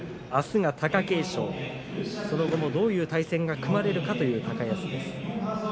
あすが貴景勝その後もどういう対戦が組まれるかという高安です。